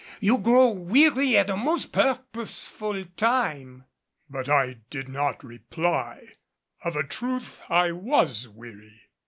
You grow weary at a most purposeful time!" But I did not reply. Of a truth, I was weary.